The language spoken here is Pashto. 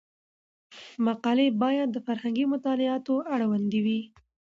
مقالې باید د فرهنګي مطالعاتو اړوند وي.